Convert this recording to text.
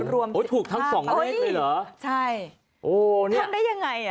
รวม๑๕บาทโอ้ยถูกทั้ง๒เลขเลยเหรอใช่โอ้นี่ทำได้อย่างไร